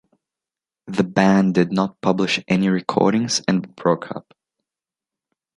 The band did not publish any recordings and broke up.